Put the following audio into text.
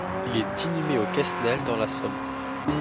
Il est inhumé au Quesnel dans la Somme.